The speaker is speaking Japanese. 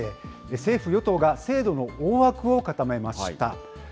政府・与党が制度の大枠を固めました。